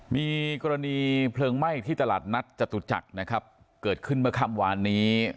มีกรณีเพลิงไหม้ที่ตลาดนัดจตุจักรนะครับเกิดขึ้นเมื่อค่ำวานนี้